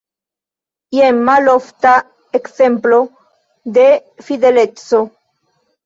Jen malofta ekzemplo de fideleco.